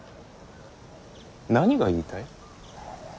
何が言いたい。